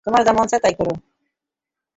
তোমার যা মন চাই তাই করো।